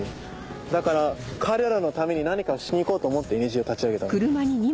だから彼らのために何かしにいこうと思ってＥＮＩＪＥを立ち上げたの。